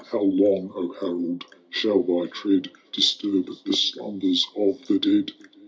How long, O Harold, shall thy tread Disturb the slumbers of the dead